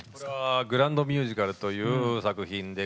「グランドミュージカル」という作品で。